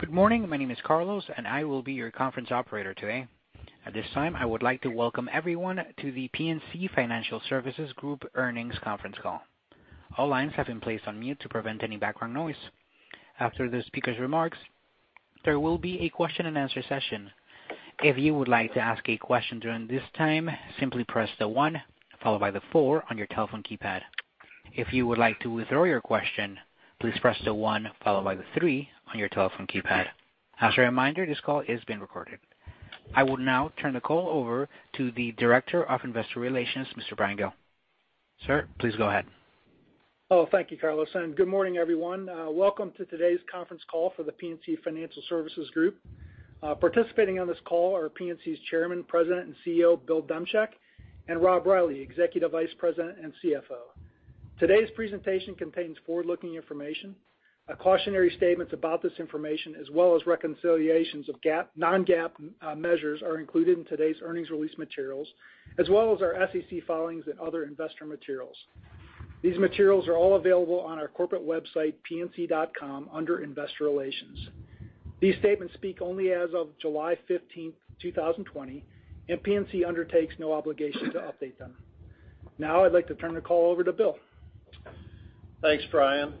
Good morning. My name is Carlos, and I will be your conference operator today. At this time, I would like to welcome everyone to The PNC Financial Services Group earnings conference call. All lines have been placed on mute to prevent any background noise. After the speaker's remarks, there will be a question and answer session. If you would like to ask a question during this time, simply press the one followed by the four on your telephone keypad. If you would like to withdraw your question, please press the one followed by the three on your telephone keypad. As a reminder, this call is being recorded. I will now turn the call over to the Director of Investor Relations, Mr. Bryan Gill. Sir, please go ahead. Thank you, Carlos. Good morning, everyone. Welcome to today's conference call for The PNC Financial Services Group. Participating on this call are PNC's Chairman, President, and CEO, Bill Demchak, and Rob Reilly, Executive Vice President and CFO. Today's presentation contains forward-looking information. A cautionary statement about this information, as well as reconciliations of non-GAAP measures are included in today's earnings release materials, as well as our SEC filings and other investor materials. These materials are all available on our corporate website, pnc.com, under Investor Relations. These statements speak only as of July 15th, 2020. PNC undertakes no obligation to update them. I'd like to turn the call over to Bill. Thanks, Bryan,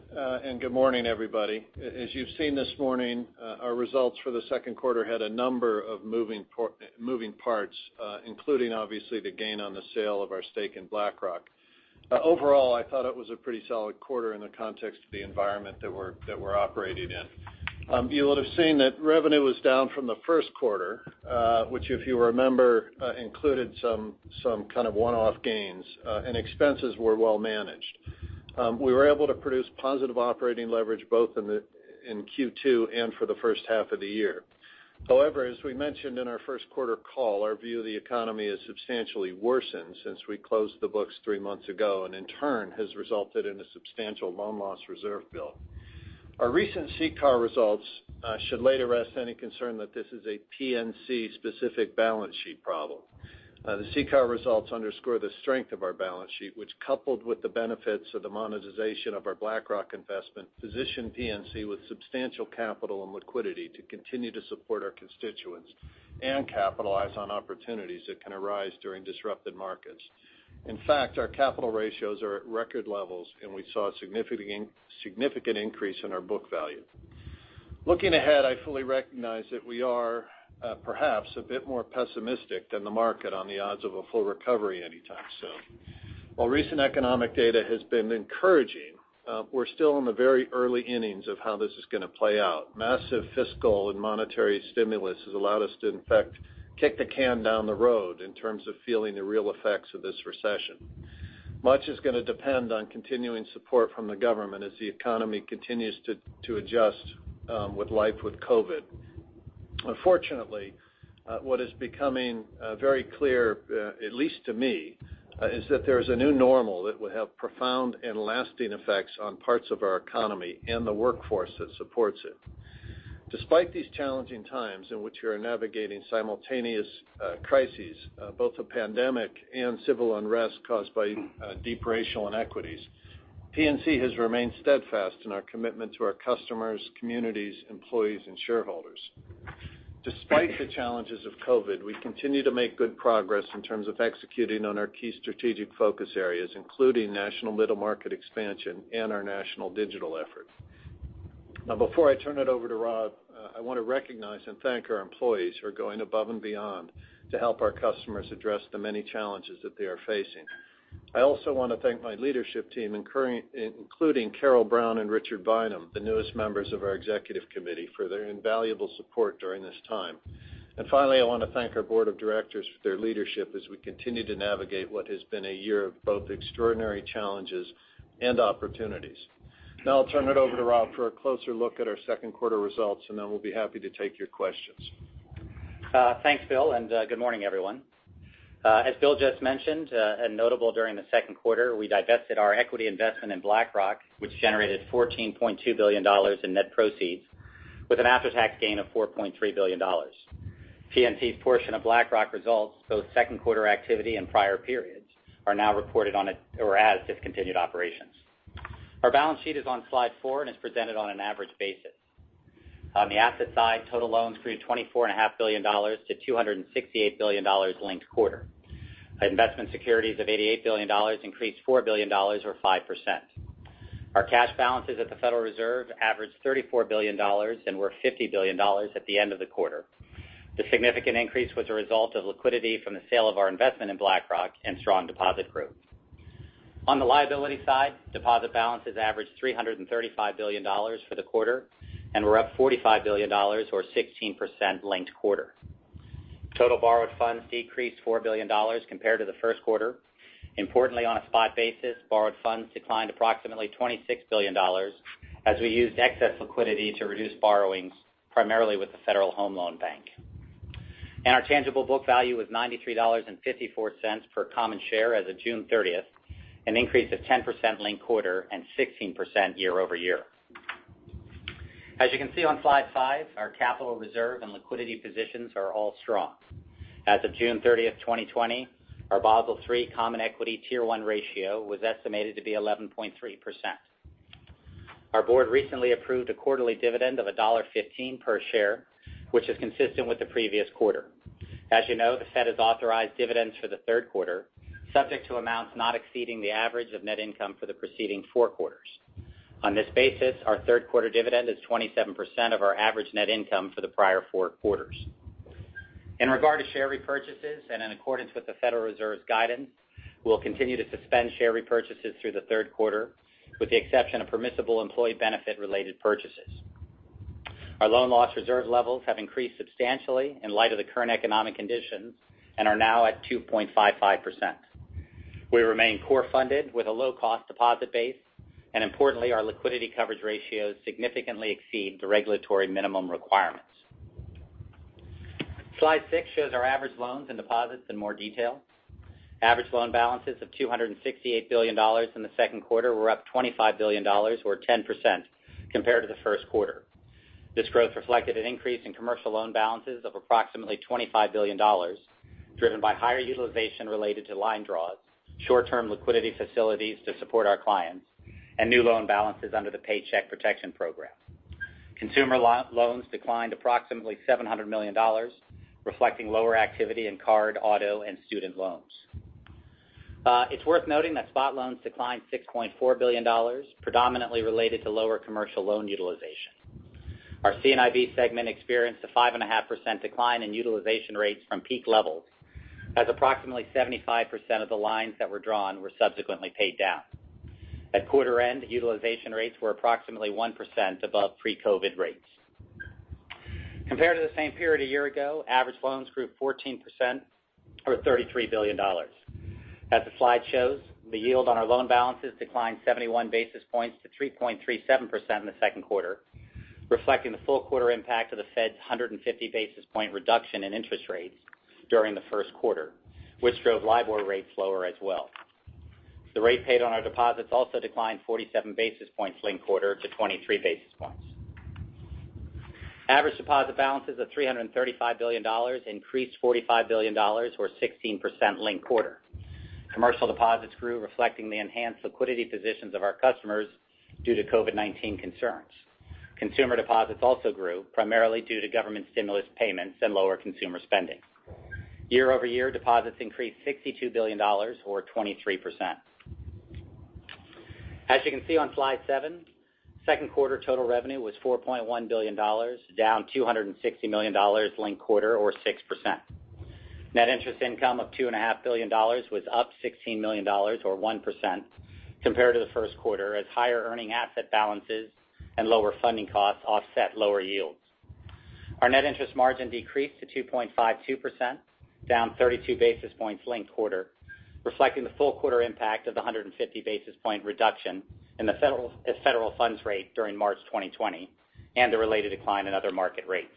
good morning, everybody. As you've seen this morning, our results for the second quarter had a number of moving parts, including obviously the gain on the sale of our stake in BlackRock. Overall, I thought it was a pretty solid quarter in the context of the environment that we're operating in. You would've seen that revenue was down from the first quarter, which, if you remember, included some kind of one-off gains, and expenses were well managed. We were able to produce positive operating leverage both in Q2 and for the first half of the year. However, as we mentioned in our first quarter call, our view of the economy has substantially worsened since we closed the books three months ago, and in turn, has resulted in a substantial loan loss reserve build. Our recent CCAR results should lay to rest any concern that this is a PNC-specific balance sheet problem. The CCAR results underscore the strength of our balance sheet, which coupled with the benefits of the monetization of our BlackRock investment, position PNC with substantial capital and liquidity to continue to support our constituents and capitalize on opportunities that can arise during disrupted markets. Our capital ratios are at record levels, and we saw a significant increase in our book value. Looking ahead, I fully recognize that we are perhaps a bit more pessimistic than the market on the odds of a full recovery anytime soon. While recent economic data has been encouraging, we're still in the very early innings of how this is going to play out. Massive fiscal and monetary stimulus has allowed us to in fact kick the can down the road in terms of feeling the real effects of this recession. Much is going to depend on continuing support from the government as the economy continues to adjust with life with COVID. Unfortunately, what is becoming very clear, at least to me, is that there is a new normal that will have profound and lasting effects on parts of our economy and the workforce that supports it. Despite these challenging times in which we are navigating simultaneous crises, both a pandemic and civil unrest caused by deep racial inequities, PNC has remained steadfast in our commitment to our customers, communities, employees, and shareholders. Despite the challenges of COVID, we continue to make good progress in terms of executing on our key strategic focus areas, including national middle market expansion and our national digital effort. Before I turn it over to Rob, I want to recognize and thank our employees who are going above and beyond to help our customers address the many challenges that they are facing. I also want to thank my leadership team, including Carole Brown and Richard Bynum, the newest members of our Executive Committee, for their invaluable support during this time. Finally, I want to thank our Board of Directors for their leadership as we continue to navigate what has been a year of both extraordinary challenges and opportunities. I'll turn it over to Rob for a closer look at our second quarter results, and then we'll be happy to take your questions. Thanks, Bill. Good morning, everyone. As Bill just mentioned, notable during the second quarter, we divested our equity investment in BlackRock, which generated $14.2 billion in net proceeds with an after-tax gain of $4.3 billion. PNC's portion of BlackRock results, both second quarter activity and prior periods, are now reported as discontinued operations. Our balance sheet is on slide four and is presented on an average basis. On the asset side, total loans grew $24.5 billion to $268 billion linked quarter. Investment securities of $88 billion increased $4 billion or 5%. Our cash balances at the Federal Reserve averaged $34 billion and were $50 billion at the end of the quarter. The significant increase was a result of liquidity from the sale of our investment in BlackRock and strong deposit growth. On the liability side, deposit balances averaged $335 billion for the quarter and were up $45 billion, or 16%, linked quarter. Total borrowed funds decreased $4 billion compared to the first quarter. Importantly, on a spot basis, borrowed funds declined approximately $26 billion as we used excess liquidity to reduce borrowings, primarily with the Federal Home Loan Bank. Our tangible book value was $93.54 per common share as of June 30th, an increase of 10% linked quarter and 16% year-over-year. As you can see on slide five, our capital reserve and liquidity positions are all strong. As of June 30th, 2020, our Basel III Common Equity Tier 1 ratio was estimated to be 11.3%. Our board recently approved a quarterly dividend of $1.15 per share, which is consistent with the previous quarter. As you know, the Fed has authorized dividends for the third quarter, subject to amounts not exceeding the average of net income for the preceding four quarters. On this basis, our third quarter dividend is 27% of our average net income for the prior four quarters. In regard to share repurchases and in accordance with the Federal Reserve's guidance, we'll continue to suspend share repurchases through the third quarter, with the exception of permissible employee benefit-related purchases. Our loan loss reserve levels have increased substantially in light of the current economic conditions and are now at 2.55%. We remain core funded with a low-cost deposit base, and importantly, our liquidity coverage ratios significantly exceed the regulatory minimum requirements. Slide six shows our average loans and deposits in more detail. Average loan balances of $268 billion in the second quarter were up $25 billion or 10% compared to the first quarter. This growth reflected an increase in commercial loan balances of approximately $25 billion, driven by higher utilization related to line draws, short-term liquidity facilities to support our clients, and new loan balances under the Paycheck Protection Program. Consumer loans declined approximately $700 million, reflecting lower activity in card, auto, and student loans. It's worth noting that spot loans declined $6.4 billion, predominantly related to lower commercial loan utilization. Our C&IB segment experienced a 5.5% decline in utilization rates from peak levels, as approximately 75% of the lines that were drawn were subsequently paid down. At quarter end, utilization rates were approximately 1% above pre-COVID rates. Compared to the same period a year ago, average loans grew 14% or $33 billion. As the slide shows, the yield on our loan balances declined 71 basis points to 3.37% in the second quarter, reflecting the full quarter impact of the Fed's 150 basis point reduction in interest rates during the first quarter, which drove LIBOR rates lower as well. The rate paid on our deposits also declined 47 basis points linked quarter to 23 basis points. Average deposit balances of $335 billion increased $45 billion or 16% linked quarter. Commercial deposits grew reflecting the enhanced liquidity positions of our customers due to COVID-19 concerns. Consumer deposits also grew, primarily due to government stimulus payments and lower consumer spending. Year-over-year, deposits increased $62 billion or 23%. As you can see on slide seven, second quarter total revenue was $4.1 billion, down $260 million linked quarter or 6%. Net interest income of $2.5 billion was up $16 million or 1% compared to the first quarter as higher earning asset balances and lower funding costs offset lower yields. Our net interest margin decreased to 2.52%, down 32 basis points linked quarter, reflecting the full quarter impact of the 150 basis point reduction in the federal funds rate during March 2020 and the related decline in other market rates.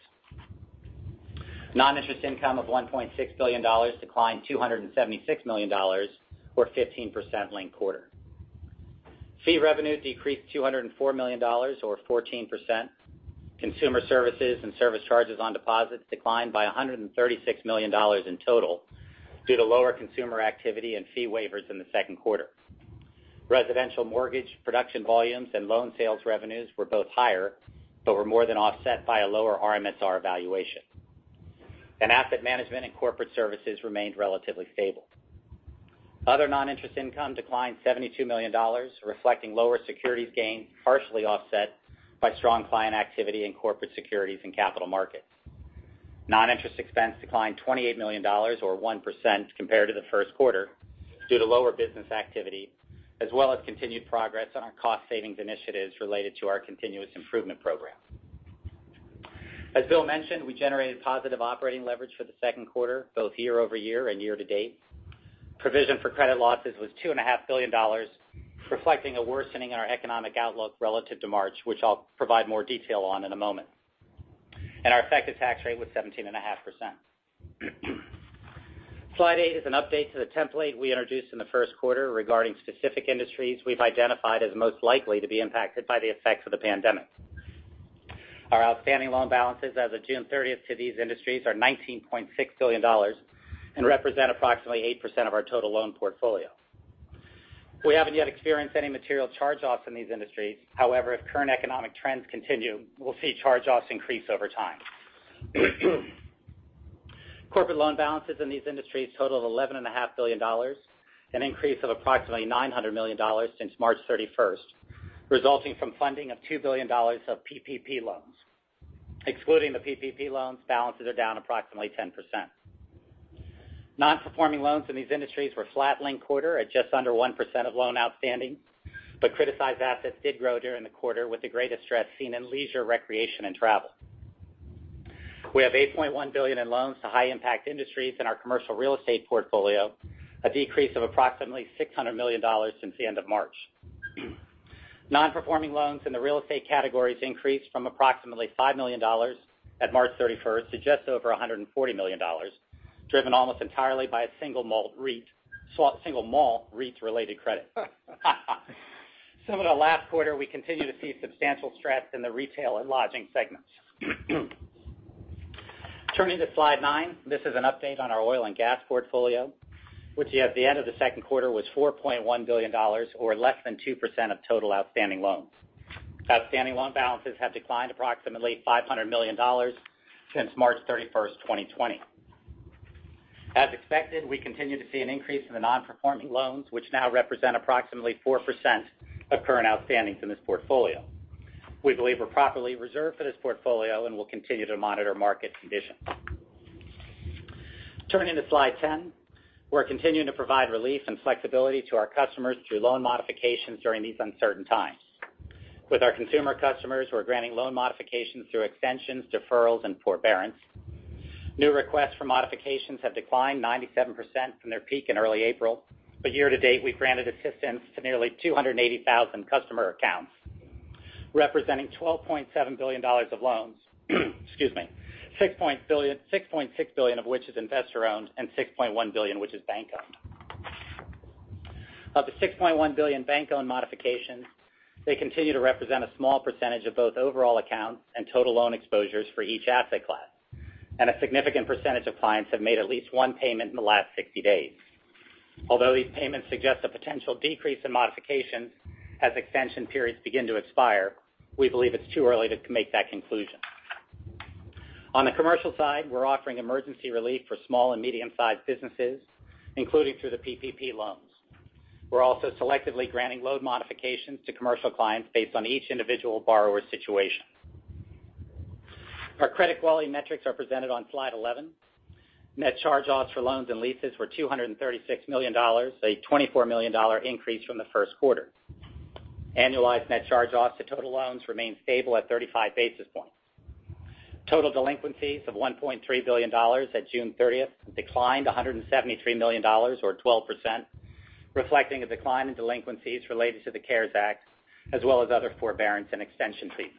Non-interest income of $1.6 billion declined $276 million or 15% linked quarter. Fee revenue decreased $204 million or 14%. Consumer services and service charges on deposits declined by $136 million in total due to lower consumer activity and fee waivers in the second quarter. Residential mortgage production volumes and loan sales revenues were both higher but were more than offset by a lower MSR valuation. Asset management and corporate services remained relatively stable. Other non-interest income declined $72 million, reflecting lower securities gain, partially offset by strong client activity in corporate securities and capital markets. Non-interest expense declined $28 million or 1% compared to the first quarter due to lower business activity as well as continued progress on our cost savings initiatives related to our Continuous Improvement program. As Bill mentioned, we generated positive operating leverage for the second quarter, both year-over-year and year-to-date. Provision for credit losses was $2.5 billion, reflecting a worsening in our economic outlook relative to March, which I'll provide more detail on in a moment. Our effective tax rate was 17.5%. Slide eight is an update to the template we introduced in the first quarter regarding specific industries we've identified as most likely to be impacted by the effects of the pandemic. Our outstanding loan balances as of June 30th to these industries are $19.6 billion and represent approximately 8% of our total loan portfolio. We haven't yet experienced any material charge-offs in these industries. However, if current economic trends continue, we'll see charge-offs increase over time. Corporate loan balances in these industries totaled $11.5 billion, an increase of approximately $900 million since March 31st, resulting from funding of $2 billion of PPP loans. Excluding the PPP loans, balances are down approximately 10%. Non-performing loans in these industries were flat linked quarter at just under 1% of loan outstanding, but criticized assets did grow during the quarter with the greatest stress seen in leisure, recreation, and travel. We have $8.1 billion in loans to high-impact industries in our commercial real estate portfolio, a decrease of approximately $600 million since the end of March. Non-performing loans in the real estate categories increased from approximately $5 million at March 31st to just over $140 million, driven almost entirely by a single mall REIT-related credit. Similar to last quarter, we continue to see substantial stress in the retail and lodging segments. Turning to slide nine, this is an update on our oil and gas portfolio, which at the end of the second quarter was $4.1 billion, or less than 2% of total outstanding loans. Outstanding loan balances have declined approximately $500 million since March 31st, 2020. As expected, we continue to see an increase in the non-performing loans, which now represent approximately 4% of current outstandings in this portfolio. We believe we're properly reserved for this portfolio and will continue to monitor market conditions. Turning to slide 10, we're continuing to provide relief and flexibility to our customers through loan modifications during these uncertain times. With our consumer customers, we're granting loan modifications through extensions, deferrals, and forbearance. New requests for modifications have declined 97% from their peak in early April. Year to date, we've granted assistance to nearly 280,000 customer accounts, representing $12.7 billion of loans. Excuse me. $6.6 billion of which is investor-owned and $6.1 billion, which is bank-owned. Of the $6.1 billion bank-owned modifications, they continue to represent a small percentage of both overall accounts and total loan exposures for each asset class, and a significant percentage of clients have made at least one payment in the last 60 days. Although these payments suggest a potential decrease in modifications as extension periods begin to expire, we believe it's too early to make that conclusion. On the commercial side, we're offering emergency relief for small and medium-sized businesses, including through the PPP loans. We're also selectively granting loan modifications to commercial clients based on each individual borrower's situation. Our credit quality metrics are presented on slide 11. Net charge-offs for loans and leases were $236 million, a $24 million increase from the first quarter. Annualized net charge-offs to total loans remain stable at 35 basis points. Total delinquencies of $1.3 billion at June 30th declined $173 million, or 12%, reflecting a decline in delinquencies related to the CARES Act, as well as other forbearance and extension fees.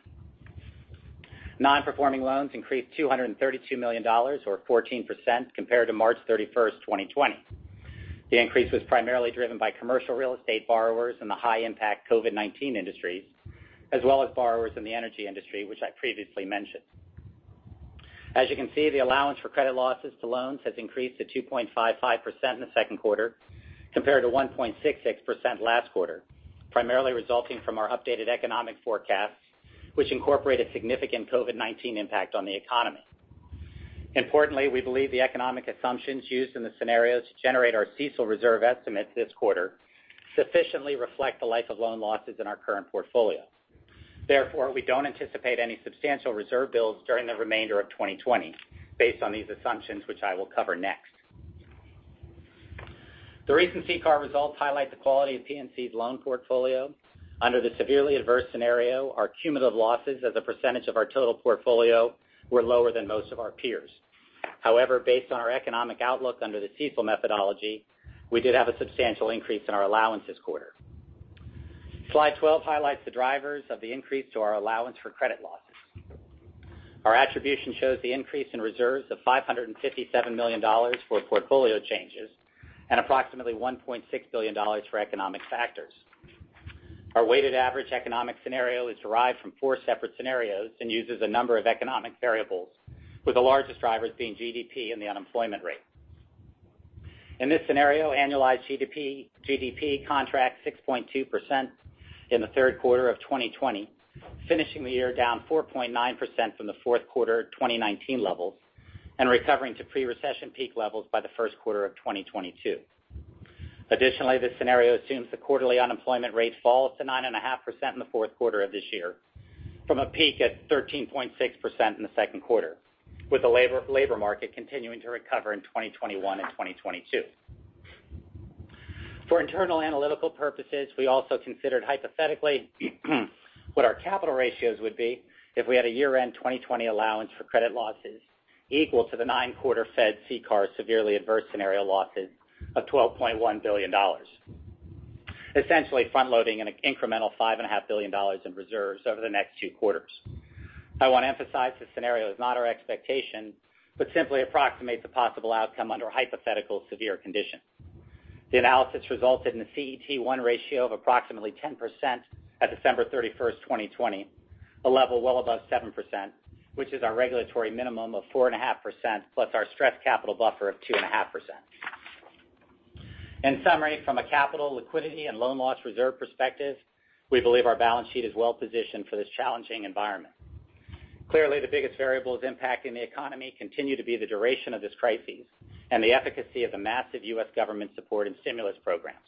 Non-performing loans increased $232 million, or 14%, compared to March 31st, 2020. The increase was primarily driven by commercial real estate borrowers in the high-impact COVID-19 industries, as well as borrowers in the energy industry, which I previously mentioned. As you can see, the allowance for credit losses to loans has increased to 2.55% in the second quarter, compared to 1.66% last quarter, primarily resulting from our updated economic forecasts, which incorporate a significant COVID-19 impact on the economy. Importantly, we believe the economic assumptions used in the scenarios to generate our CECL reserve estimates this quarter sufficiently reflect the life of loan losses in our current portfolio. Therefore, we don't anticipate any substantial reserve builds during the remainder of 2020 based on these assumptions, which I will cover next. The recent CCAR results highlight the quality of PNC's loan portfolio. Under the severely adverse scenario, our cumulative losses as a percentage of our total portfolio were lower than most of our peers. However, based on our economic outlook under the CECL methodology, we did have a substantial increase in our allowance this quarter. Slide 12 highlights the drivers of the increase to our allowance for credit losses. Our attribution shows the increase in reserves of $557 million for portfolio changes and approximately $1.6 billion for economic factors. Our weighted average economic scenario is derived from four separate scenarios and uses a number of economic variables, with the largest drivers being GDP and the unemployment rate. In this scenario, annualized GDP contracts 6.2% in the third quarter of 2020, finishing the year down 4.9% from the fourth quarter 2019 levels and recovering to pre-recession peak levels by the first quarter of 2022. Additionally, this scenario assumes the quarterly unemployment rate falls to 9.5% in the fourth quarter of this year from a peak at 13.6% in the second quarter, with the labor market continuing to recover in 2021 and 2022. For internal analytical purposes, we also considered hypothetically what our capital ratios would be if we had a year-end 2020 allowance for credit losses equal to the nine-quarter Fed CCAR severely adverse scenario losses of $12.1 billion. Essentially front-loading an incremental $5.5 billion in reserves over the next two quarters. I want to emphasize this scenario is not our expectation, but simply approximates a possible outcome under hypothetical severe conditions. The analysis resulted in a CET1 ratio of approximately 10% at December 31st, 2020, a level well above 7%, which is our regulatory minimum of 4.5% plus our stress capital buffer of 2.5%. In summary, from a capital, liquidity, and loan loss reserve perspective, we believe our balance sheet is well positioned for this challenging environment. Clearly, the biggest variables impacting the economy continue to be the duration of this crisis and the efficacy of the massive U.S. government support and stimulus programs.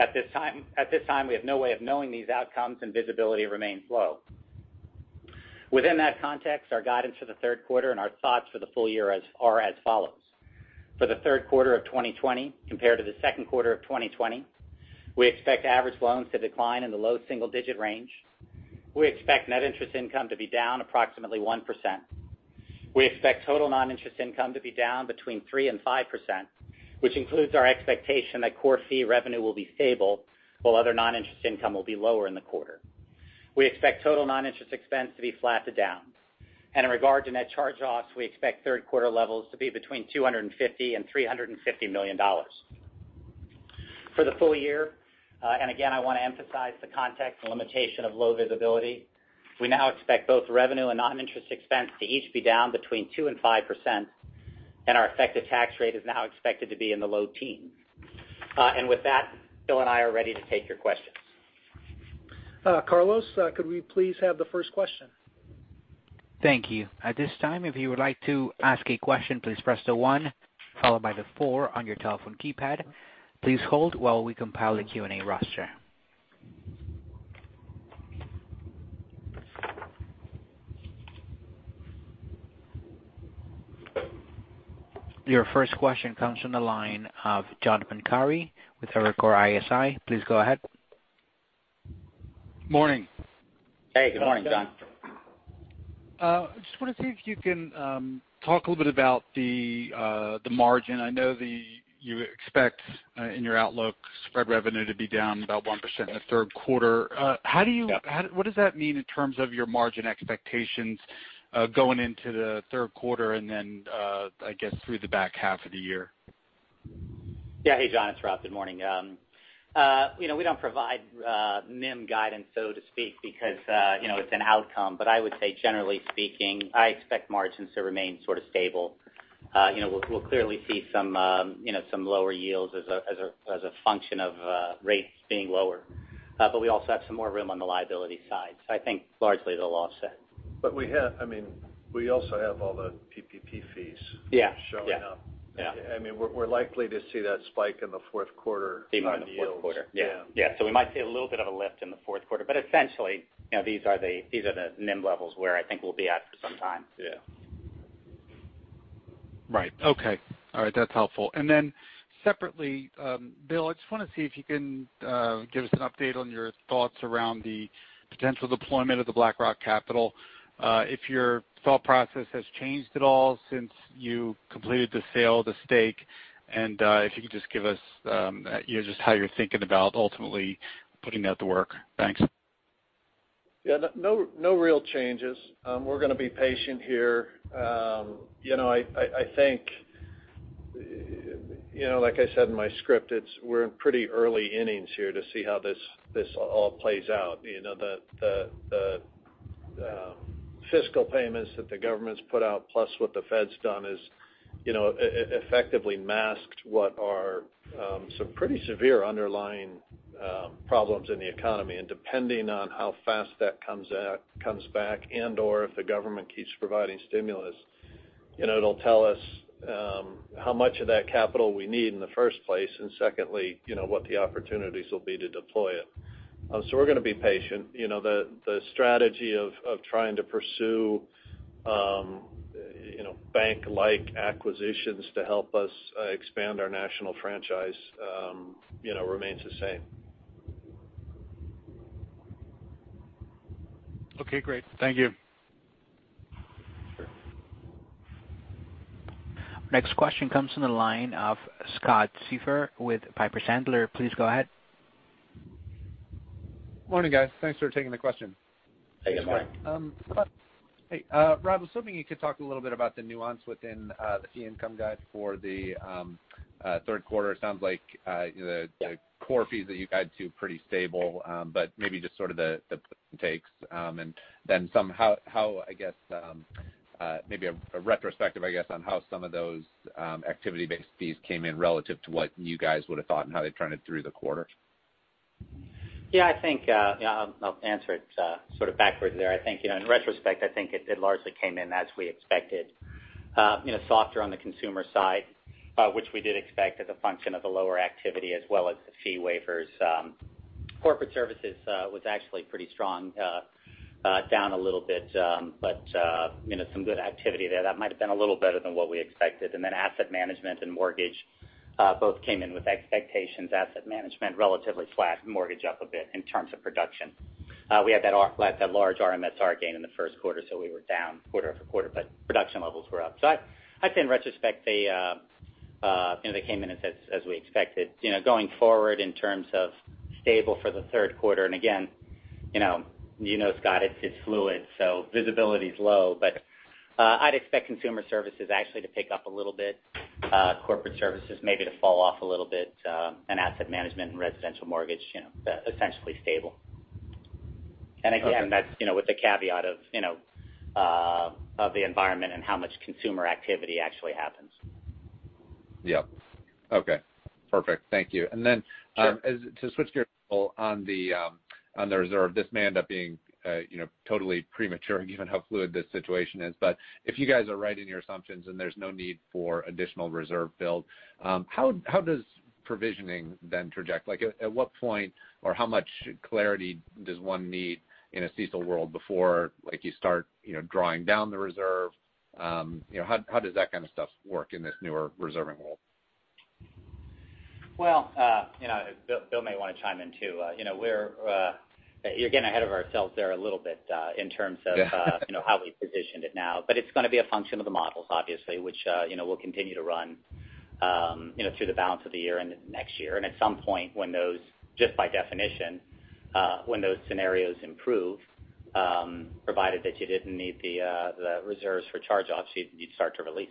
At this time, we have no way of knowing these outcomes, and visibility remains low. Within that context, our guidance for the third quarter and our thoughts for the full year are as follows: For the third quarter of 2020 compared to the second quarter of 2020, we expect average loans to decline in the low single-digit range. We expect net interest income to be down approximately 1%. We expect total non-interest income to be down between 3% and 5%, which includes our expectation that core fee revenue will be stable, while other non-interest income will be lower in the quarter. We expect total non-interest expense to be flat to down. In regard to net charge-offs, we expect third quarter levels to be between $250 million and $350 million. For the full year, again, I want to emphasize the context and limitation of low visibility, we now expect both revenue and non-interest expense to each be down between 2% and 5%. Our effective tax rate is now expected to be in the low teens. With that, Bill and I are ready to take your questions. Carlos, could we please have the first question? Thank you. At this time, if you would like to ask a question, please press the one followed by the four on your telephone keypad. Please hold while we compile the Q&A roster. Your first question comes from the line of John Pancari with Evercore ISI. Please go ahead. Morning. Hey, good morning, John. I just want to see if you can talk a little bit about the margin. I know that you expect in your outlook spread revenue to be down about 1% in the third quarter. Yeah. What does that mean in terms of your margin expectations going into the third quarter and then I guess through the back half of the year? Yeah. Hey, John, it's Rob. Good morning. We don't provide NIM guidance, so to speak, because it's an outcome. I would say generally speaking, I expect margins to remain sort of stable. We'll clearly see some lower yields as a function of rates being lower. We also have some more room on the liability side. I think largely they'll offset. We also have all the PPP fees. Yeah showing up. Yeah. We're likely to see that spike in the fourth quarter. In the fourth quarter. On yields. Yeah. Yeah. We might see a little bit of a lift in the fourth quarter, but essentially these are the NIM levels where I think we'll be at for some time, too. Right. Okay. All right. That's helpful. Separately, Bill, I just want to see if you can give us an update on your thoughts around the potential deployment of the BlackRock capital. If your thought process has changed at all since you completed the sale of the stake, and if you could just give us just how you're thinking about ultimately putting that to work. Thanks. Yeah. No real changes. We're going to be patient here. I think, like I said in my script, we're in pretty early innings here to see how this all plays out. The fiscal payments that the government's put out, plus what the Fed's done has effectively masked what are some pretty severe underlying problems in the economy. Depending on how fast that comes back and/or if the government keeps providing stimulus, it'll tell us how much of that capital we need in the first place, and secondly, what the opportunities will be to deploy it. We're going to be patient. The strategy of trying to pursue bank-like acquisitions to help us expand our national franchise remains the same. Okay, great. Thank you. Sure. Next question comes from the line of Scott Siefers with Piper Sandler. Please go ahead. Morning, guys. Thanks for taking the question. Hey, good morning. Hey, Rob, I was hoping you could talk a little bit about the nuance within the fee income guide for the third quarter. It sounds like the core fees that you guide to pretty stable, but maybe just sort of the takes, and then how, I guess maybe a retrospective, I guess, on how some of those activity-based fees came in relative to what you guys would've thought and how they trended through the quarter. Yeah. I'll answer it sort of backwards there. I think in retrospect, I think it largely came in as we expected. Softer on the consumer side, which we did expect as a function of the lower activity as well as the fee waivers. Corporate services was actually pretty strong. Down a little bit, but some good activity there. That might've been a little better than what we expected. Asset management and mortgage both came in with expectations. Asset management relatively flat, mortgage up a bit in terms of production. We had that large MSR gain in the first quarter, so we were down quarter-over-quarter, but production levels were up. I'd say in retrospect, they came in as we expected. Going forward in terms of stable for the third quarter, and again, you know Scott, it's fluid, so visibility's low. I'd expect consumer services actually to pick up a little bit, corporate services maybe to fall off a little bit, and asset management and residential mortgage essentially stable. Okay. Again, that's with the caveat of the environment and how much consumer activity actually happens. Yep. Okay, perfect. Thank you. Sure To switch gears a little on the reserve, this may end up being totally premature given how fluid this situation is. If you guys are right in your assumptions and there's no need for additional reserve build, how does provisioning then traject? Like at what point or how much clarity does one need in a CECL world before you start drawing down the reserve? How does that kind of stuff work in this newer reserving world? Well, Bill may want to chime in, too. You're getting ahead of ourselves there a little bit in terms of. Yeah how we've positioned it now. It's going to be a function of the models, obviously, which we'll continue to run through the balance of the year and into next year. At some point, just by definition, when those scenarios improve, provided that you didn't need the reserves for charge-offs, you'd start to release.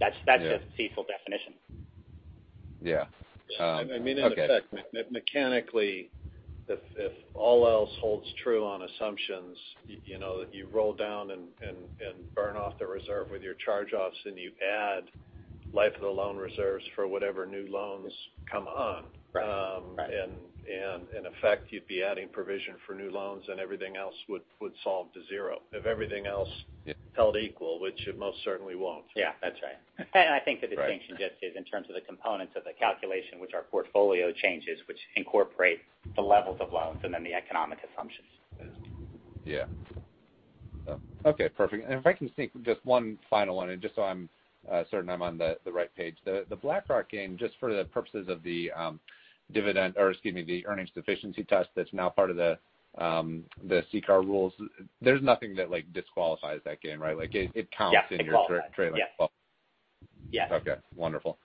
Yeah. That's the CECL definition. Yeah. Okay. I mean, in effect, mechanically, if all else holds true on assumptions, you roll down and burn off the reserve with your charge-offs, and you add life of the loan reserves for whatever new loans come on. Right. In effect, you'd be adding provision for new loans and everything else would solve to zero. If everything else held equal, which it most certainly won't. Yeah, that's right. Right. I think the distinction just is in terms of the components of the calculation, which our portfolio changes, which incorporate the levels of loans, and then the economic assumptions. Yeah. Okay, perfect. If I can sneak just one final one, just so I'm certain I'm on the right page. The BlackRock gain, just for the purposes of the earnings deficiency test that's now part of the CCAR rules, there's nothing that disqualifies that gain, right? It counts- Yeah. It qualifies in your trailing 12. Yes. Okay, wonderful.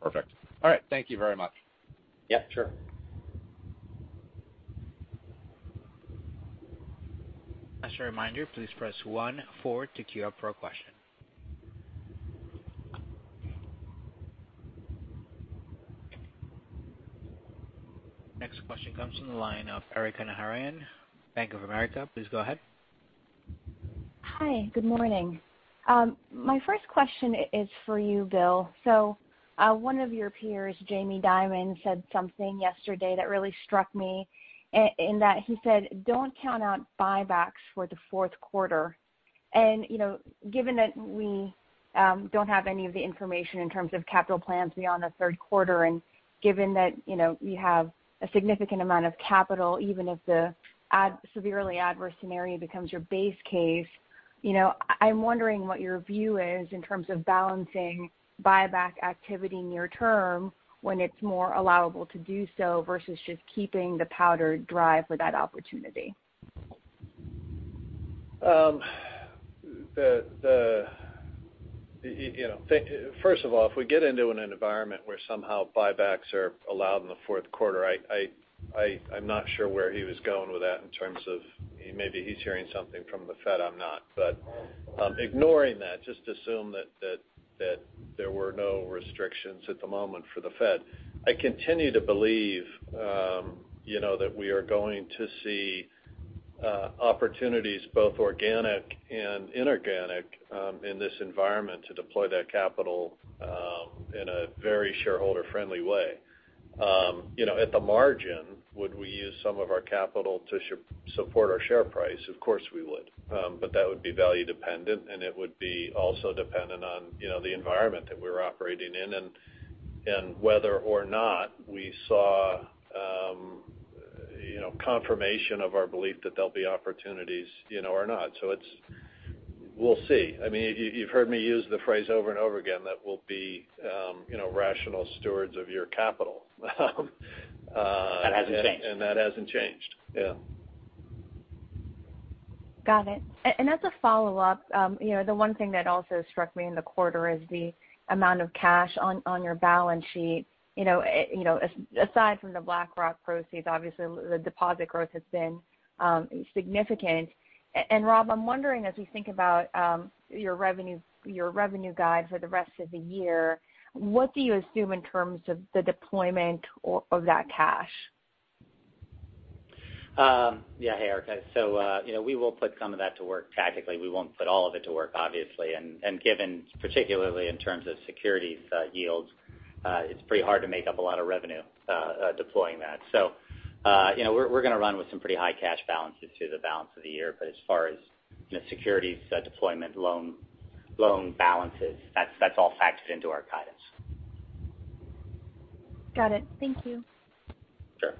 Perfect. All right. Thank you very much. Yeah, sure. As a reminder, please press 14 to queue up for a question. Next question comes from the line of Erika Najarian, Bank of America. Please go ahead. Hi. Good morning. My first question is for you, Bill. One of your peers, Jamie Dimon, said something yesterday that really struck me, in that he said, "Don't count out buybacks for the fourth quarter." Given that we don't have any of the information in terms of capital plans beyond the third quarter, and given that you have a significant amount of capital, even if the severely adverse scenario becomes your base case, I'm wondering what your view is in terms of balancing buyback activity near term when it's more allowable to do so versus just keeping the powder dry for that opportunity. First of all, if we get into an environment where somehow buybacks are allowed in the fourth quarter, I'm not sure where he was going with that in terms of maybe he's hearing something from the Fed I'm not. Ignoring that, just assume that there were no restrictions at the moment for the Fed. I continue to believe that we are going to see opportunities, both organic and inorganic, in this environment to deploy that capital in a very shareholder-friendly way. At the margin, would we use some of our capital to support our share price? Of course, we would. That would be value dependent, and it would be also dependent on the environment that we're operating in, and whether or not we saw confirmation of our belief that there'll be opportunities or not. We'll see. You've heard me use the phrase over and over again that we'll be rational stewards of your capital. That hasn't changed. That hasn't changed. Yeah. Got it. As a follow-up, the one thing that also struck me in the quarter is the amount of cash on your balance sheet. Aside from the BlackRock proceeds, obviously, the deposit growth has been significant. Rob, I'm wondering, as we think about your revenue guide for the rest of the year, what do you assume in terms of the deployment of that cash? Yeah. Hey, Erika. We will put some of that to work tactically. We won't put all of it to work, obviously. Given particularly in terms of securities yields, it's pretty hard to make up a lot of revenue deploying that. We're going to run with some pretty high cash balances through the balance of the year. As far as securities deployment, loan balances, that's all factored into our guidance. Got it. Thank you. Sure.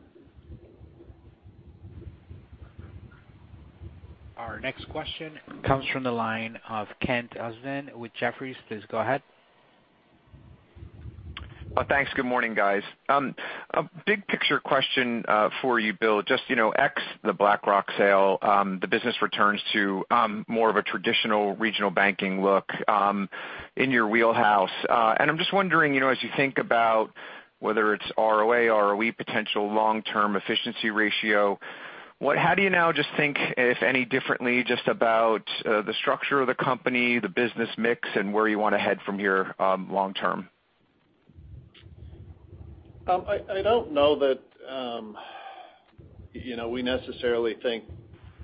Our next question comes from the line of Ken Usdin with Jefferies. Please go ahead. Thanks. Good morning, guys. A big picture question for you, Bill. Just ex the BlackRock sale, the business returns to more of a traditional regional banking look in your wheelhouse. I'm just wondering, as you think about whether it's ROA, ROE potential long-term efficiency ratio, how do you now just think, if any differently, just about the structure of the company, the business mix, and where you want to head from here long term? I don't know that we necessarily think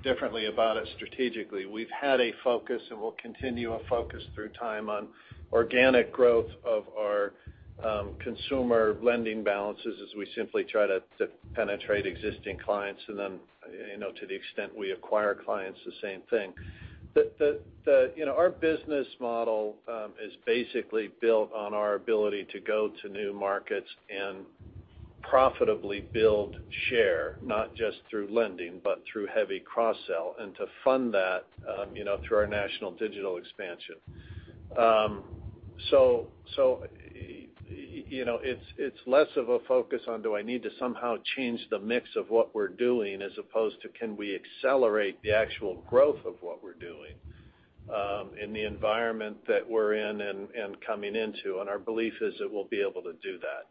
differently about it strategically. We've had a focus, and we'll continue a focus through time on organic growth of our consumer lending balances as we simply try to penetrate existing clients. To the extent we acquire clients, the same thing. Our business model is basically built on our ability to go to new markets and profitably build share, not just through lending, but through heavy cross-sell, and to fund that through our national digital expansion. It's less of a focus on do I need to somehow change the mix of what we're doing as opposed to can we accelerate the actual growth of what we're doing. In the environment that we're in and coming into, our belief is that we'll be able to do that.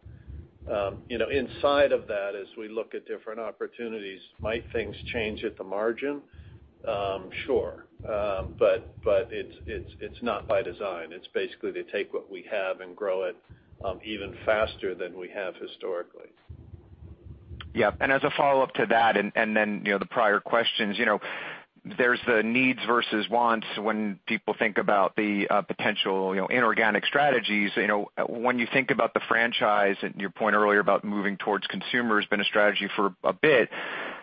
Inside of that, as we look at different opportunities, might things change at the margin? Sure. It's not by design. It's basically to take what we have and grow it even faster than we have historically. Yep. As a follow-up to that, the prior questions, there's the needs versus wants when people think about the potential inorganic strategies. When you think about the franchise and your point earlier about moving towards consumers, been a strategy for a bit,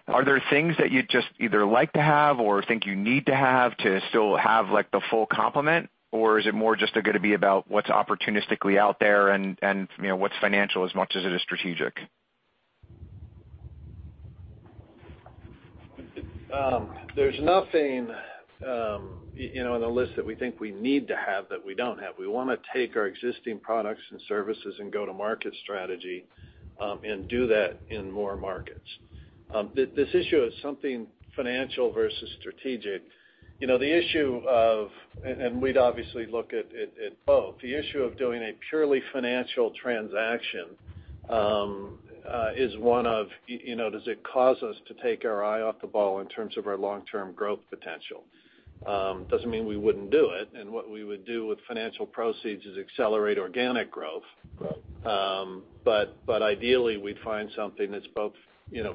are there things that you'd just either like to have or think you need to have to still have the full complement? Is it more just going to be about what's opportunistically out there and what's financial as much as it is strategic? There's nothing on the list that we think we need to have that we don't have. We want to take our existing products and services and go-to-market strategy, and do that in more markets. This issue is something financial versus strategic. We'd obviously look at both. The issue of doing a purely financial transaction is one of, does it cause us to take our eye off the ball in terms of our long-term growth potential? Doesn't mean we wouldn't do it, and what we would do with financial proceeds is accelerate organic growth. Right. Ideally, we'd find something that's both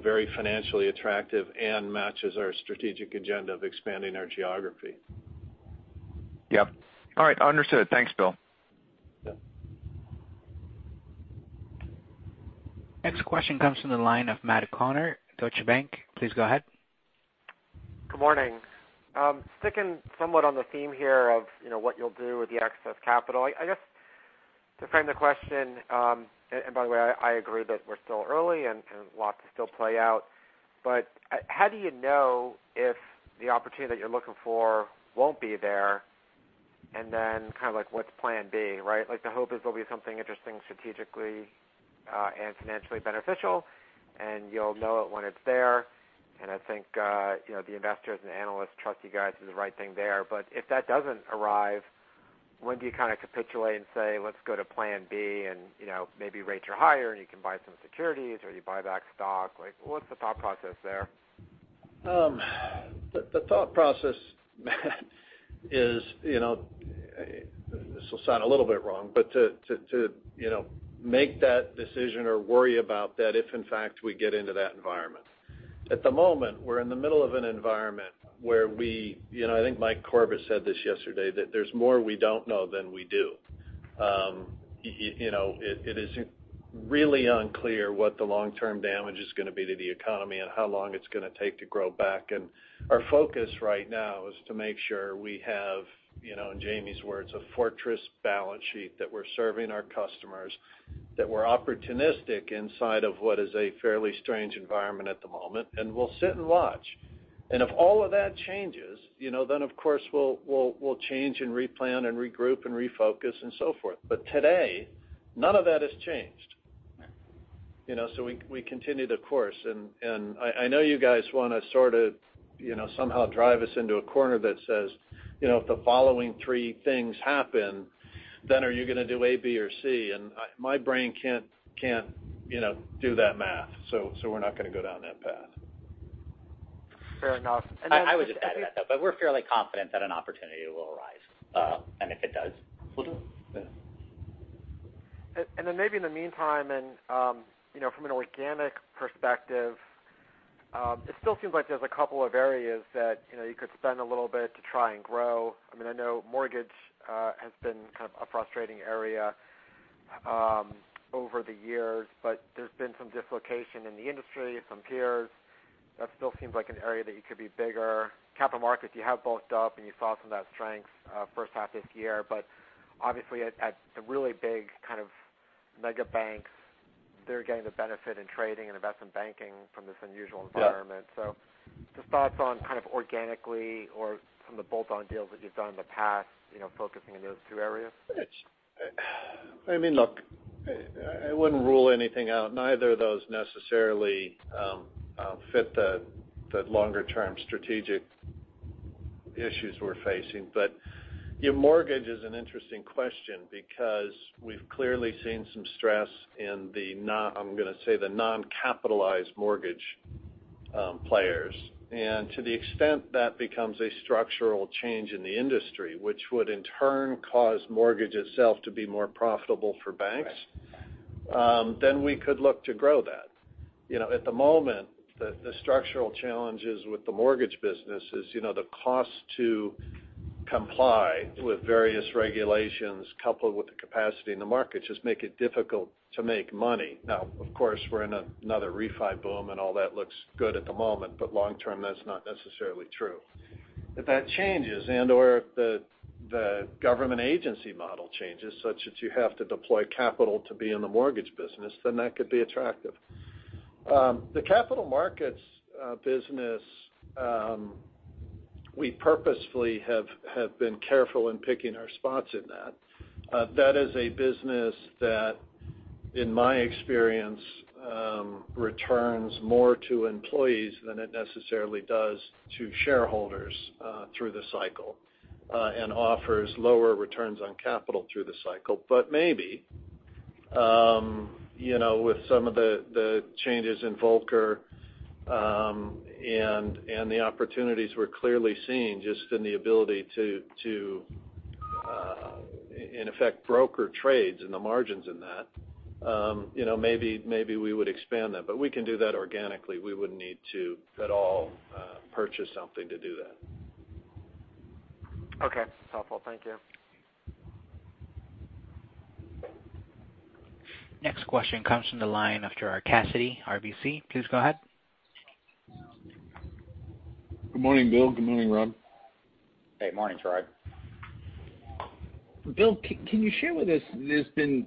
very financially attractive and matches our strategic agenda of expanding our geography. Yep. All right. Understood. Thanks, Bill. Yeah. Next question comes from the line of Matt O'Connor, Deutsche Bank. Please go ahead. Good morning. Sticking somewhat on the theme here of what you'll do with the excess capital. I guess to frame the question, and by the way, I agree that we're still early and lots still play out, but how do you know if the opportunity that you're looking for won't be there, and then kind of like, what's plan B, right? The hope is there'll be something interesting strategically and financially beneficial, and you'll know it when it's there. I think the investors and analysts trust you guys do the right thing there. If that doesn't arrive, when do you kind of capitulate and say, "Let's go to plan B," and maybe rates are higher and you can buy some securities or you buy back stock? What's the thought process there? The thought process, Matt, is this will sound a little bit wrong, but to make that decision or worry about that if in fact we get into that environment. At the moment, we're in the middle of an environment where we, I think Mike Corbat said this yesterday, that there's more we don't know than we do. It is really unclear what the long-term damage is going to be to the economy and how long it's going to take to grow back. Our focus right now is to make sure we have, in Jamie's words, a fortress balance sheet. That we're serving our customers, that we're opportunistic inside of what is a fairly strange environment at the moment, and we'll sit and watch. If all of that changes, then of course we'll change and replan and regroup and refocus and so forth. Today, none of that has changed. We continue the course. I know you guys want to sort of somehow drive us into a corner that says if the following three things happen, then are you going to do A, B, or C? My brain can't do that math. We're not going to go down that path. Fair enough. I would just add to that we're fairly confident that an opportunity will arise. If it does, we'll do it. Yeah. Then maybe in the meantime, from an organic perspective, it still seems like there's a couple of areas that you could spend a little bit to try and grow. I know mortgage has been kind of a frustrating area over the years, but there's been some dislocation in the industry, some peers. That still seems like an area that you could be bigger. Capital markets, you have bulked up and you saw some of that strength first half this year. Obviously at the really big kind of mega banks, they're getting the benefit in trading and investment banking from this unusual environment. Yeah. Just thoughts on kind of organically or from the bolt-on deals that you've done in the past, focusing in those two areas. I mean, look, I wouldn't rule anything out. Neither of those necessarily fit the longer-term strategic issues we're facing. Mortgage is an interesting question because we've clearly seen some stress in the, I'm going to say the non-capitalized mortgage players, and to the extent that becomes a structural change in the industry, which would in turn cause mortgage itself to be more profitable for banks. Right We could look to grow that. At the moment, the structural challenges with the mortgage business is the cost to comply with various regulations coupled with the capacity in the market just make it difficult to make money. Of course, we're in another refi boom and all that looks good at the moment, but long term, that's not necessarily true. If that changes and/or if the government agency model changes such that you have to deploy capital to be in the mortgage business, then that could be attractive. The capital markets business, we purposefully have been careful in picking our spots in that. That is a business that. In my experience, returns more to employees than it necessarily does to shareholders through the cycle, and offers lower returns on capital through the cycle. Maybe, with some of the changes in Volcker, and the opportunities we're clearly seeing just in the ability to, in effect, broker trades and the margins in that. Maybe we would expand that, but we can do that organically. We wouldn't need to at all purchase something to do that. Okay. That's helpful. Thank you. Next question comes from the line of Gerard Cassidy, RBC. Please go ahead. Good morning, Bill. Good morning, Rob. Hey, morning Gerard. Bill, can you share with us, there's been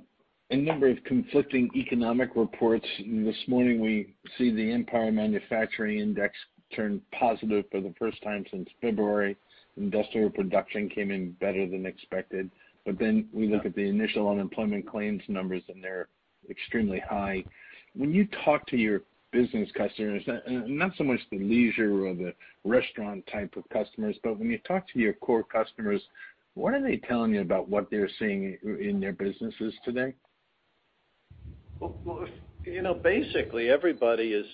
a number of conflicting economic reports, and this morning we see the Empire State Manufacturing Index turn positive for the first time since February. Industrial production came in better than expected. We look at the initial unemployment claims numbers, and they're extremely high. When you talk to your business customers, not so much the leisure or the restaurant type of customers, but when you talk to your core customers, what are they telling you about what they're seeing in their businesses today? Well, basically everybody is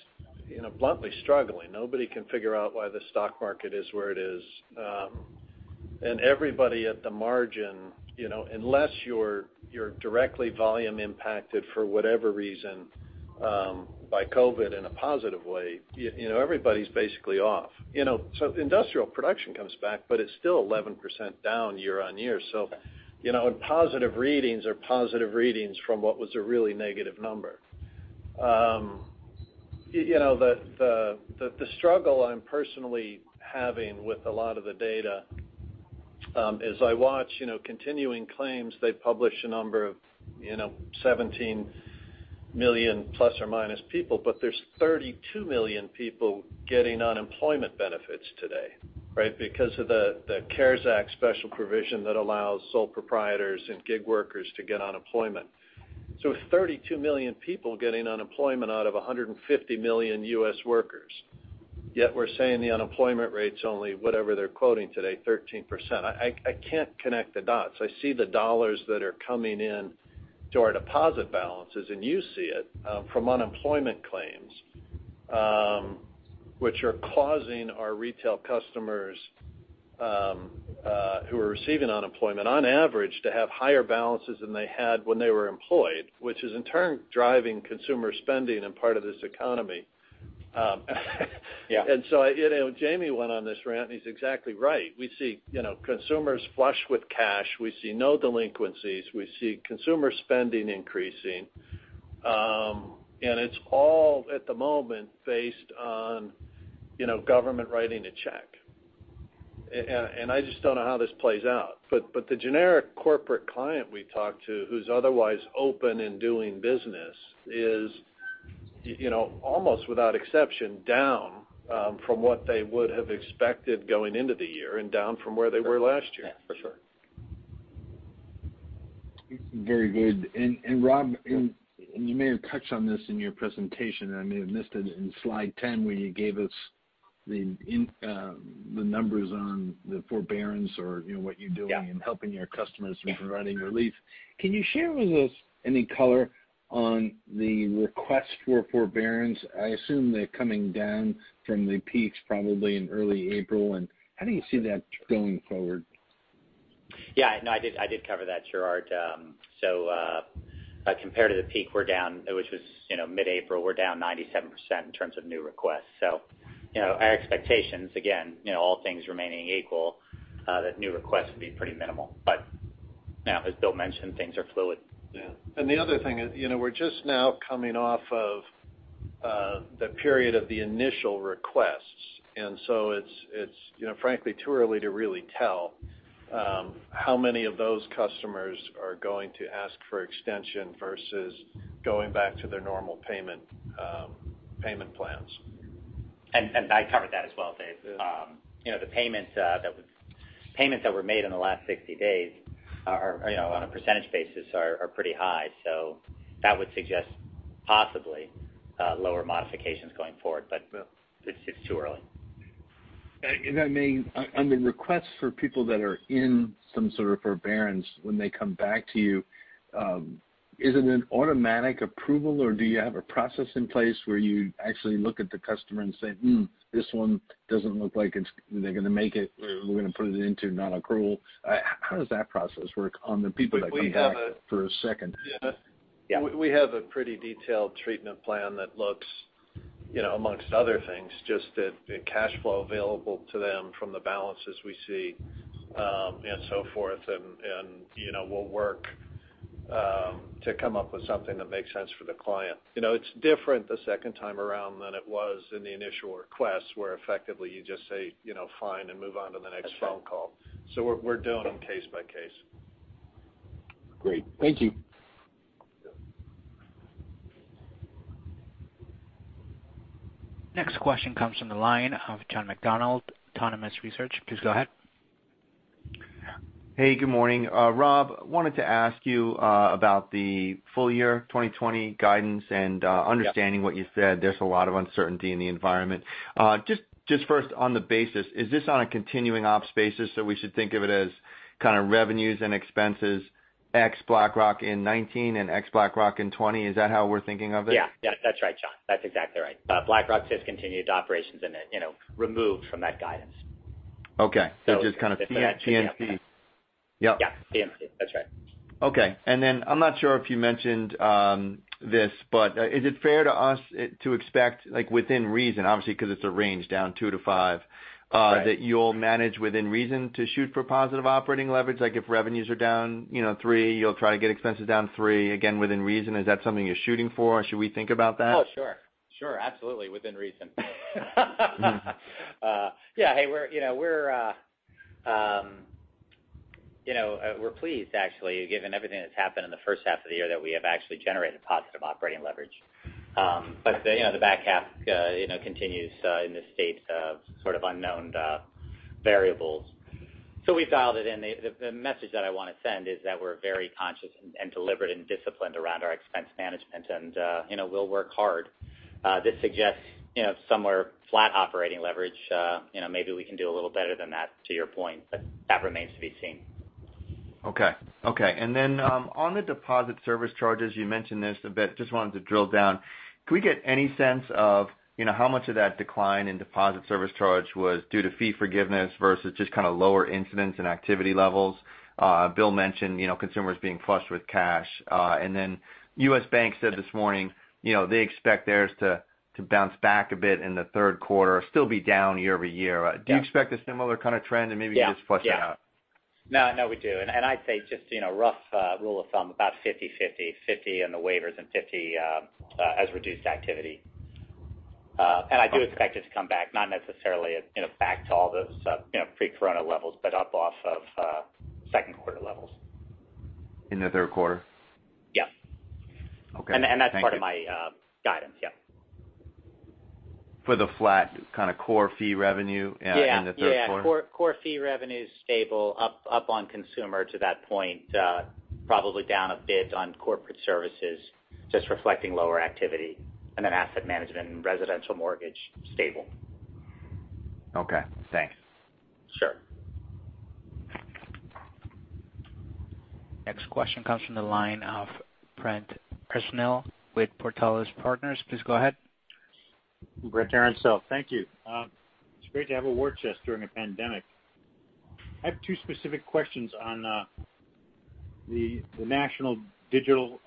bluntly struggling. Nobody can figure out why the stock market is where it is. Everybody at the margin, unless you're directly volume impacted for whatever reason, by COVID in a positive way, everybody's basically off. Industrial production comes back, but it's still 11% down year-over-year. Positive readings are positive readings from what was a really negative number. The struggle I'm personally having with a lot of the data, as I watch continuing claims, they publish a number of 17 million ± people, but there's 32 million people getting unemployment benefits today, right? Because of the CARES Act special provision that allows sole proprietors and gig workers to get unemployment. 32 million people getting unemployment out of 150 million U.S. workers. Yet we're saying the unemployment rate's only, whatever they're quoting today, 13%. I can't connect the dots. I see the dollars that are coming in to our deposit balances, and you see it from unemployment claims, which are causing our retail customers, who are receiving unemployment, on average, to have higher balances than they had when they were employed, which is in turn driving consumer spending in part of this economy. Yeah. Jamie went on this rant, and he's exactly right. We see consumers flush with cash. We see no delinquencies. We see consumer spending increasing. It's all at the moment based on government writing a check. I just don't know how this plays out. The generic corporate client we talk to who's otherwise open and doing business is almost without exception, down from what they would have expected going into the year and down from where they were last year. Yeah. For sure. Very good. Rob, you may have touched on this in your presentation, and I may have missed it in slide 10 where you gave us the numbers on the forbearance or what you're doing. Yeah in helping your customers and providing relief. Can you share with us any color on the request for forbearance? I assume they're coming down from the peaks probably in early April. How do you see that going forward? Yeah, no, I did cover that, Gerard. Compared to the peak, we're down, which was mid-April, we're down 97% in terms of new requests. Our expectations, again, all things remaining equal, that new requests would be pretty minimal. As Bill mentioned, things are fluid. The other thing is, we're just now coming off of the period of the initial requests. It's frankly too early to really tell how many of those customers are going to ask for extension versus going back to their normal payment plans. I covered that as well, Dave. Yeah. The payments that were made in the last 60 days on a percentage basis are pretty high. That would suggest possibly lower modifications going forward. It's too early. I mean, on the request for people that are in some sort of forbearance when they come back to you, is it an automatic approval, or do you have a process in place where you actually look at the customer and say, "Hmm, this one doesn't look like they're going to make it. We're going to put it into non-accrual." How does that process work on the people that come back for a second? We have a pretty detailed treatment plan that looks among other things, just at the cash flow available to them from the balances we see, and so forth, and we'll work to come up with something that makes sense for the client. It's different the second time around than it was in the initial request where effectively you just say, "Fine," and move on to the next phone call. That's right. We're doing them case by case. Great. Thank you. Yeah. Next question comes from the line of John McDonald, Autonomous Research. Please go ahead. Hey, good morning. Rob, wanted to ask you about the full year 2020 guidance. Yep understanding what you said, there's a lot of uncertainty in the environment. First on the basis, is this on a continuing ops basis that we should think of it as kind of revenues and expenses ex-BlackRock in 2019 and ex-BlackRock in 2020? Is that how we're thinking of it? Yeah. That's right, John. That's exactly right. BlackRock discontinued operations and then removed from that guidance. Okay. Just kind of PNC. Yep. Yeah. PNC. That's right. Okay. I'm not sure if you mentioned this, but is it fair to us to expect within reason, obviously, because it's a range down two to five- Right that you'll manage within reason to shoot for positive operating leverage? Like if revenues are down three, you'll try to get expenses down three again within reason. Is that something you're shooting for? Should we think about that? Oh, sure. Absolutely. Within reason. We're pleased actually, given everything that's happened in the first half of the year that we have actually generated positive operating leverage. The back half continues in this state of sort of unknown variables. We've dialed it in. The message that I want to send is that we're very conscious and deliberate and disciplined around our expense management and we'll work hard. This suggests somewhere flat operating leverage. Maybe we can do a little better than that, to your point, but that remains to be seen. Okay. On the deposit service charges, you mentioned this a bit. Just wanted to drill down. Can we get any sense of how much of that decline in deposit service charge was due to fee forgiveness versus just kind of lower incidence and activity levels? Bill mentioned consumers being flushed with cash. U.S. Bancorp said this morning they expect theirs to bounce back a bit in the third quarter, still be down year-over-year. Yeah. Do you expect a similar kind of trend and maybe just flush that out? Yeah. No, we do. I'd say just rough rule of thumb, about 50/50. 50 in the waivers and 50 as reduced activity. Okay. I do expect it to come back, not necessarily back to all those pre-COVID levels, but up off of second quarter levels. In the third quarter? Yeah. Okay. Thank you. That's part of my guidance. Yeah. For the flat kind of core fee revenue in the third quarter? Yeah. Core fee revenue's stable up on consumer to that point. Probably down a bit on corporate services, just reflecting lower activity. Asset management and residential mortgage, stable. Okay. Thanks. Sure. Next question comes from the line of Brent Erensel with Portales Partners. Please go ahead. Brent Erensel. Thank you. It's great to have a war chest during a pandemic. I have two specific questions on the national digital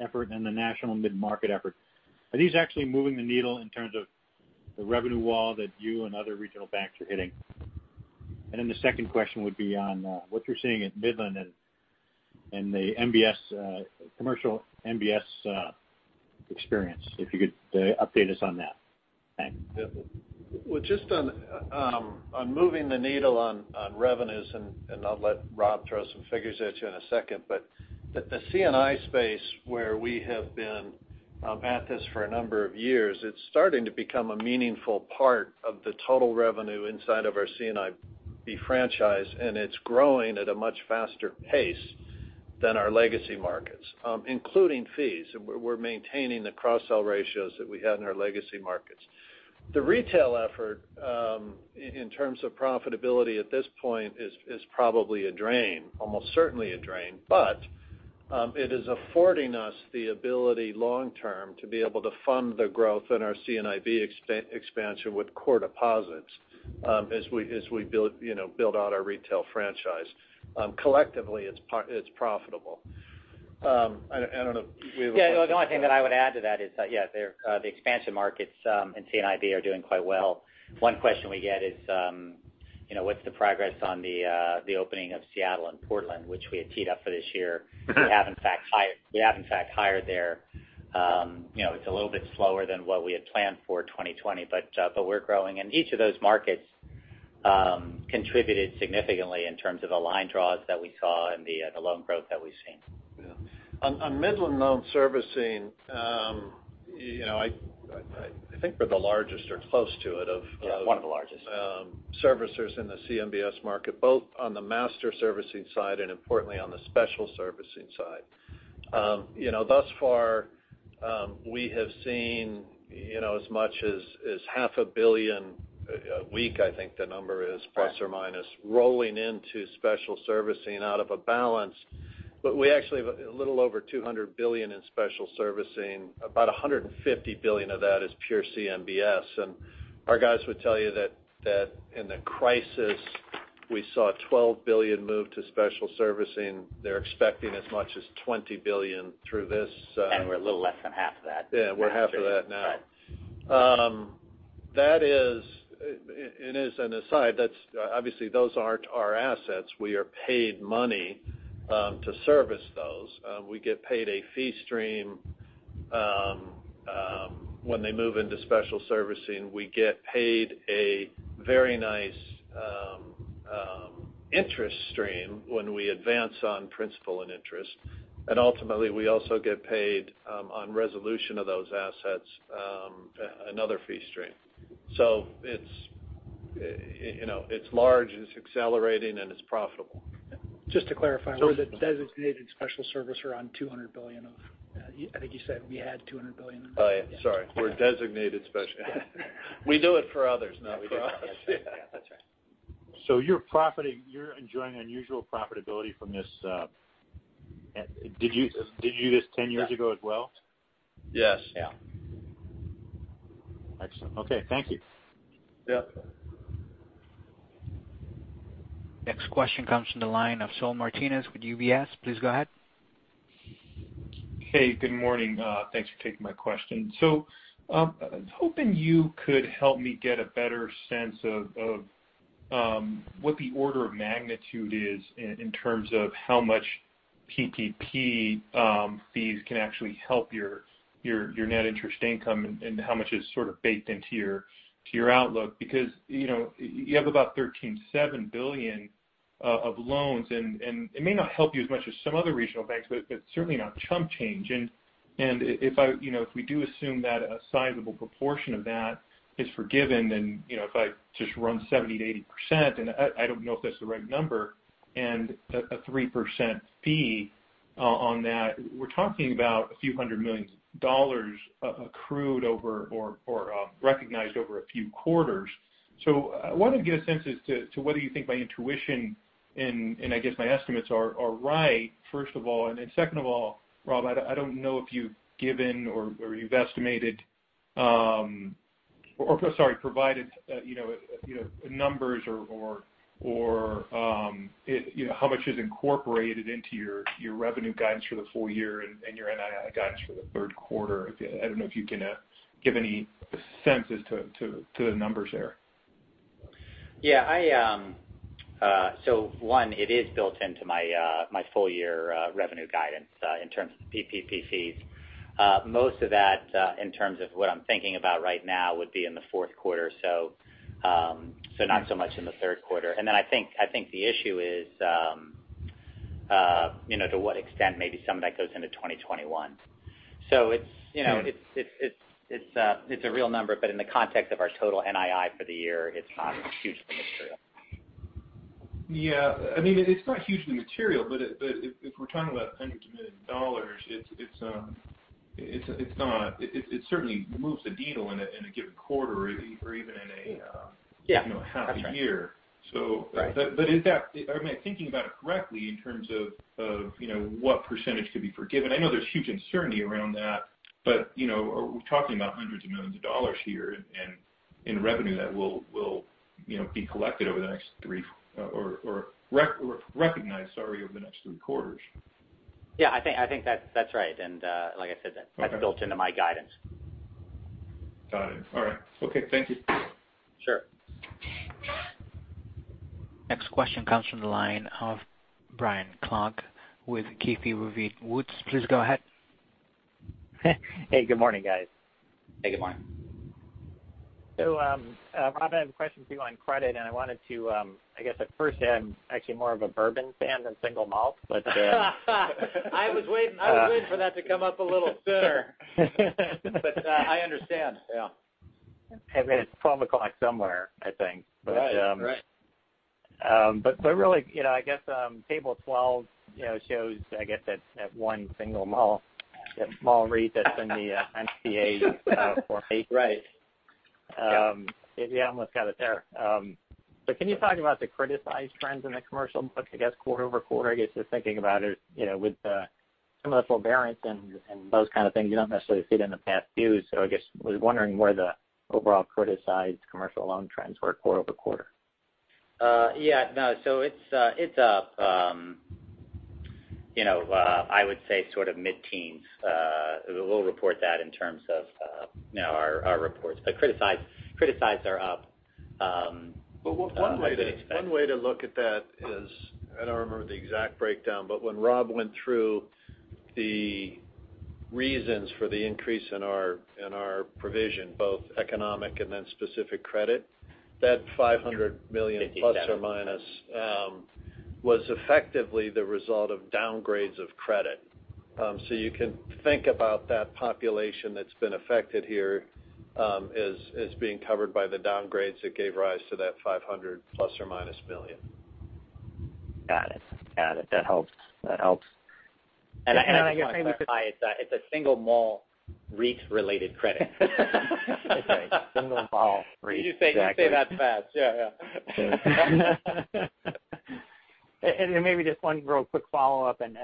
effort and the national mid-market effort. Are these actually moving the needle in terms of the revenue wall that you and other regional banks are hitting? The second question would be on what you're seeing at Midland and the commercial MBS experience. If you could update us on that. Thanks. Yep. Just on moving the needle on revenues, and I'll let Rob throw some figures at you in a second, but the C&I space where we have been at this for a number of years, it's starting to become a meaningful part of the total revenue inside of our C&IB franchise. It's growing at a much faster pace than our legacy markets, including fees. We're maintaining the cross-sell ratios that we had in our legacy markets. The retail effort, in terms of profitability at this point is probably a drain. Almost certainly a drain. It is affording us the ability long-term to be able to fund the growth in our C&IB expansion with core deposits as we build out our retail franchise. Collectively, it's profitable. I don't know if you want to. Yeah. The only thing that I would add to that is that, yeah, the expansion markets in C&IB are doing quite well. One question we get is, what's the progress on the opening of Seattle and Portland, which we had teed up for this year. We have in fact hired there. It's a little bit slower than what we had planned for 2020. We're growing. Each of those markets contributed significantly in terms of the line draws that we saw and the loan growth that we've seen. Yeah. On Midland Loan Services, I think we're the largest or close to it of- Yeah. One of the largest servicers in the CMBS market, both on the master servicing side and importantly on the special servicing side. Thus far, we have seen as much as half a billion a week, I think the number is, plus or minus Right rolling into special servicing out of a balance. We actually have a little over $200 billion in special servicing. About $150 billion of that is pure CMBS. Our guys would tell you that in the crisis we saw $12 billion move to special servicing. They're expecting as much as $20 billion through this. We're a little less than half of that. Yeah, we're half of that now. Right. Aside, obviously those aren't our assets. We are paid money to service those. We get paid a fee stream. When they move into special servicing, we get paid a very nice interest stream when we advance on principal and interest, and ultimately we also get paid on resolution of those assets, another fee stream. It's large, it's accelerating, and it's profitable. Just to clarify, we're the designated special servicer on $200 billion of I think you said we had $200 billion. Sorry. We're a designated special. We do it for others, not we do it ourselves. That's right. You're enjoying unusual profitability from this. Did you do this 10 years ago as well? Yes. Yeah. Excellent. Okay, thank you. Yeah. Next question comes from the line of Saul Martinez with UBS. Please go ahead. Good morning. Thanks for taking my question. I was hoping you could help me get a better sense of what the order of magnitude is in terms of how much PPP fees can actually help your net interest income and how much is sort of baked into your outlook. You have about $13.7 billion of loans, and it may not help you as much as some other regional banks, but it's certainly not chump change. If we do assume that a sizable proportion of that is forgiven, then if I just run 70%-80%, and I don't know if that's the right number, and a 3% fee on that, we're talking about a few hundred million dollars accrued over or recognized over a few quarters. I wanted to get a sense as to whether you think my intuition and I guess my estimates are right, first of all. Second of all, Rob, I don't know if you've given or you've estimated or, sorry, provided numbers or how much is incorporated into your revenue guidance for the full year and your NII guidance for the third quarter. I don't know if you can give any sense as to the numbers there. Yeah. One, it is built into my full-year revenue guidance, in terms of PPP fees. Most of that in terms of what I'm thinking about right now would be in the fourth quarter, so not so much in the third quarter. Then I think the issue is to what extent maybe some of that goes into 2021. It's a real number, but in the context of our total NII for the year, it's not hugely material. Yeah. It's not hugely material, but if we're talking about hundreds of millions of dollars, it certainly moves the needle in a given quarter or even in a- Yeah. That's right. half a year. Right. In fact, am I thinking about it correctly in terms of what percentage could be forgiven? I know there's huge uncertainty around that, but we're talking about hundreds of millions of dollars here and in revenue that will be collected over the next three or recognized, sorry, over the next three quarters. Yeah, I think that's right. Like I said, that's built into my guidance. Got it. All right. Okay, thank you. Sure. Next question comes from the line of Bill Carcache with KeyBanc. Please go ahead. Hey, good morning, guys. Hey, good morning. Rob, I have a question for you on credit, and I wanted to, I guess at first say I'm actually more of a bourbon fan than single malt, but. I was waiting for that to come up a little sooner. I understand. Yeah. I mean, it's 12 o'clock somewhere, I think. Right really, I guess table 12 shows, I guess that one single mall, that Mall REIT that's in the NPA for me. Right. Yep. Yeah, almost got it there. Can you talk about the criticized trends in the commercial book, I guess quarter-over-quarter? I guess just thinking about it with some of the forbearance and those kind of things you don't necessarily see it in the past few. I guess I was wondering where the overall criticized commercial loan trends were quarter-over-quarter. Yeah. It's up I would say sort of mid-teens. We'll report that in terms of our reports. Criticized are up as I'd expect. One way to look at that is, I don't remember the exact breakdown, but when Rob went through the reasons for the increase in our provision, both economic and then specific credit- 50, 70 That $500 million ± was effectively the result of downgrades of credit. You can think about that population that's been affected here as being covered by the downgrades that gave rise to that $500 million ±. Got it. That helps. I just want to clarify, it's a single mall REIT related credit. Okay. Single mall REIT. You say that fast. Yeah. Then maybe just one real quick follow-up and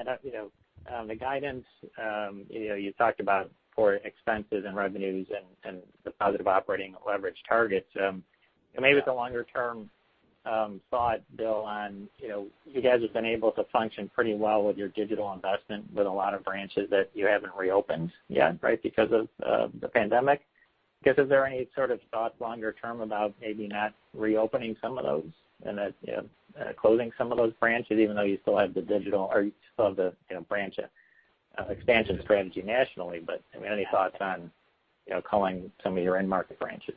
the guidance you talked about for expenses and revenues and the positive operating leverage targets. Maybe it's a longer-term thought, Bill, on you guys have been able to function pretty well with your digital investment with a lot of branches that you haven't reopened yet, because of the pandemic. I guess, is there any sort of thought longer term about maybe not reopening some of those and closing some of those branches even though you still have the digital or you still have the branch expansion strategy nationally, but any thoughts on culling some of your in-market branches?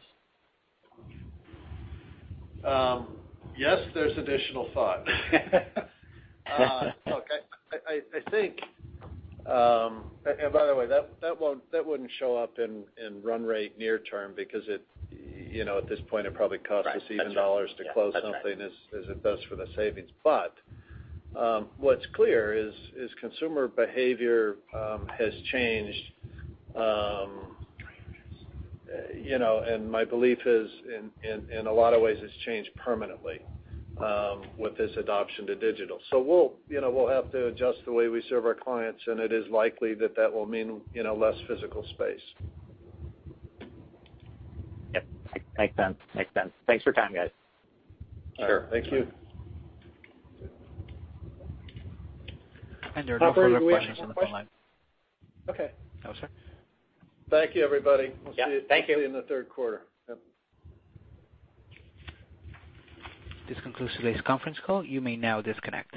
Yes, there's additional thought. Look, by the way, that wouldn't show up in run rate near term because at this point, it probably costs us. Right. That's right. even dollars to close something as it does for the savings. What's clear is consumer behavior has changed. My belief is in a lot of ways it's changed permanently with this adoption to digital. We'll have to adjust the way we serve our clients, and it is likely that that will mean less physical space. Yep. Makes sense. Thanks for your time, guys. Sure. Thank you. There are no further questions on the phone line. Okay. No, sir. Thank you, everybody. Yeah. Thank you. We'll see you in the third quarter. Yep. This concludes today's conference call. You may now disconnect.